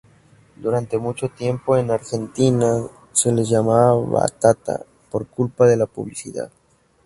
Durante mucho tiempo, en Argentina se los llamaba "Batata" por "culpa" de la publicidad.